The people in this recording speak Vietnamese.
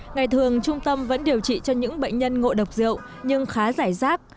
ngày thường trung tâm vẫn điều trị cho những bệnh nhân ngộ độc rượu nhưng khá giải rác